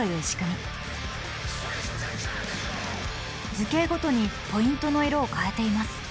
図形ごとにポイントの色を変えています。